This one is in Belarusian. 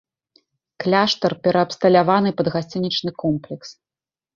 Кляштар пераабсталяваны пад гасцінічны комплекс.